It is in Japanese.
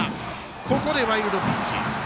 ここでワイルドピッチ。